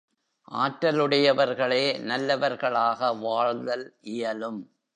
ஆற்றலுடையவர்களே நல்லவர்களாக வாழ்தல் இயலும்.